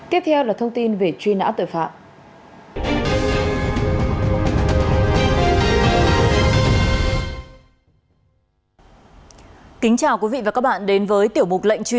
tiếp theo là thông tin về truy nã tội phạm